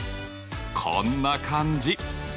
こんな感じ。